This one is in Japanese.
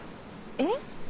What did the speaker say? えっ？